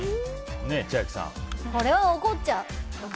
これは怒っちゃう。